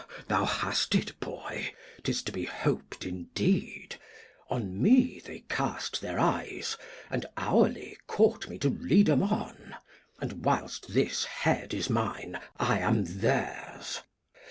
Glost. Thou hast it Boy, 'tis to be hop'd indeed ; On me they cast their Eyes, and hourly court me To lead 'em on ; and whilst this Head is mine, I'm Theirs.